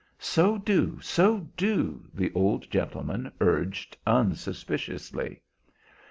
"So do, so do," the old gentleman urged unsuspiciously.